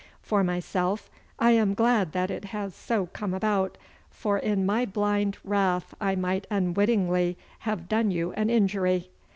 For myself, I am glad that it has so come about, for in my blind wrath I might unwittingly have done you an injury.